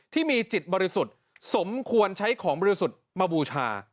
ที่มีจิตบริสุทธิ์สมควรใช้ของบริสุทธิ์มาบูชา